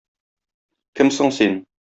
Кем соң син?